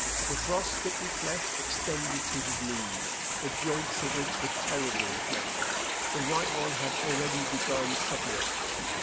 The frost bitten flesh extended to his knees, the joints of which were terribly inflamed. The right one had already begun suppurating.